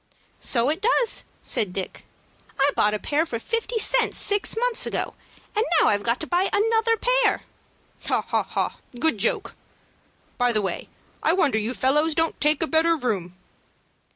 "So it does," said Dick. "I bought a pair for fifty cents six months ago, and now I've got to buy another pair." "Ha, ha! good joke! By the way, I wonder you fellows don't take a better room."